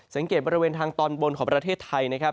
สังเกตบริเวณทางตอนบนของประเทศไทยนะครับ